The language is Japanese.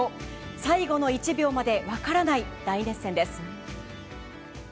最後の１秒まで分からない大熱戦です。